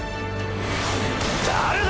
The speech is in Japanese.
誰だ